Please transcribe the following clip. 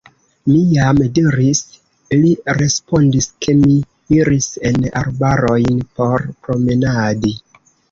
Mi jam diris, li respondis, ke mi iris en arbarojn por promenadi.